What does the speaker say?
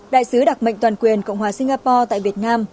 đại sứ đặc mệnh toàn quyền cộng hòa singapore tại việt nam